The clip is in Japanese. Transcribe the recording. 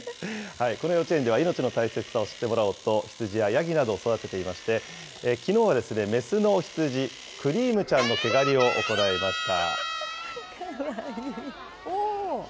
この幼稚園では、命の大切さを知ってもらおうと、羊やヤギなどを育てていまして、きのうは雌の羊、くりーむちゃんの毛刈りを行いました。